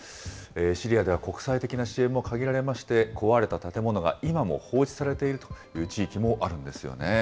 シリアでは国際的な支援も限られまして、壊れた建物が今も放置されているという地域もあるんですよね。